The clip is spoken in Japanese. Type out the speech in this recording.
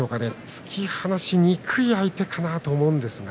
突き放しにくい相手かなと思うんですが。